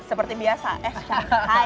seperti biasa eh hai